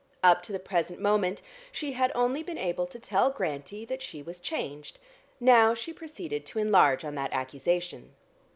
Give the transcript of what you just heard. Up to the present moment she had only been able to tell Grantie that she was changed; now she proceeded to enlarge on that accusation.